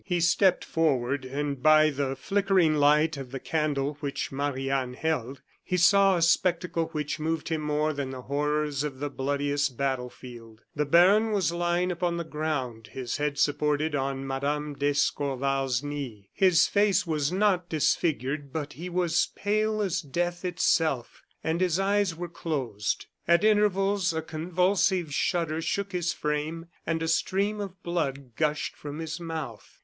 He stepped forward, and by the flickering light of the candle which Marie Anne held, he saw a spectacle which moved him more than the horrors of the bloodiest battle field. The baron was lying upon the ground, his head supported on Mme. d'Escorval's knee. His face was not disfigured; but he was pale as death itself, and his eyes were closed. At intervals a convulsive shudder shook his frame, and a stream of blood gushed from his mouth.